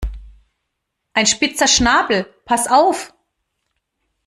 Ein spitzer Schnabel, pass auf!